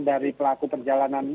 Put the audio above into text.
dari pelaku perjalanan